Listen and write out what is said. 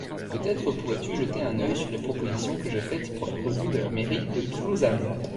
Peut-être pourrais-tu jeter un œil sur les propositions que j’ai faite pour la revue de la mairie de Plouzane.